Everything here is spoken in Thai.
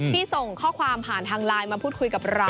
ส่งข้อความผ่านทางไลน์มาพูดคุยกับเรา